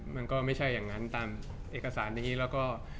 มันก็ไม่ใช่อย่างนั้นตามเอกสารนี้แล้วก็